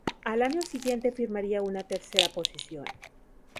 Al año siguiente firmaría una tercera posición.